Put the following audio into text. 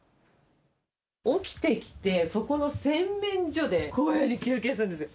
起きてきて、そこの洗面所でこういうふうに休憩するんですよ。